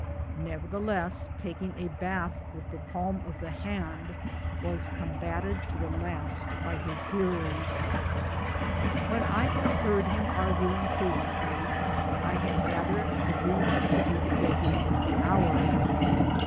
Nevertheless, tak ing a bath with the palm of the hand was combated to the last by his hearers. When I had heard him arguing previously I had rather believed it to be the vagary of the hour.